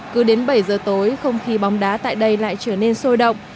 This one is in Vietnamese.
cứ đến bảy giờ tối không khí bóng đá tại đây lại trở nên sôi động